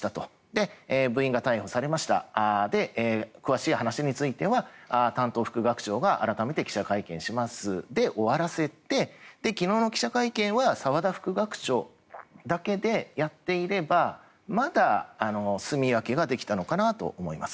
で、部員が逮捕されました詳しい話については担当副学長が改めて記者会見しますで終わらせて、昨日の記者会見は澤田副学長だけでやっていればまだすみ分けができたのかなと思います。